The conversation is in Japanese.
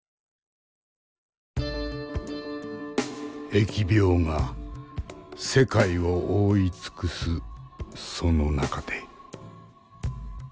疫病が世界を覆い尽くすその中で。